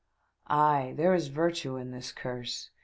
— ay, there is a virtue in this Curse